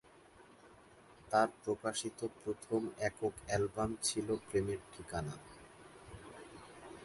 তার প্রকাশিত প্রথম একক অ্যালবাম ছিল "প্রেমের ঠিকানা"।